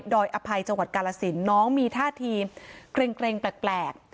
ดอยอภัยจังหวัดกาลสินน้องมีท่าทีเกร็งเกร็งแปลกแปลก